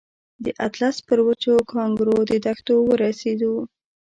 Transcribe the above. د اطلس پر وچو کانکرو دښتو ورسېدو.